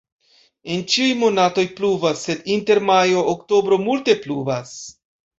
En ĉiuj monatoj pluvas, sed inter majo-oktobro multe pluvas.